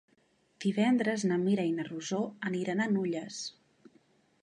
Divendres na Mira i na Rosó aniran a Nulles.